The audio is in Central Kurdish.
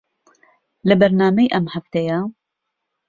لە بەرنامەی ئەم هەفتەیە